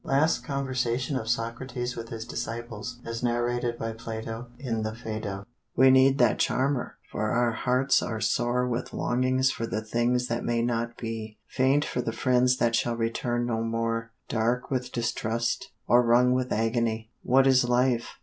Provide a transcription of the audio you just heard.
(Last conversation of Socrates with his disciples, as narrated by Plato in the Phædo.) "We need that Charmer, for our hearts are sore With longings for the things that may not be; Faint for the friends that shall return no more; Dark with distrust, or wrung with agony. "What is this life?